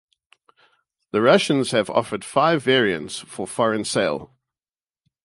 The Russians have offered five variants for foreign sale.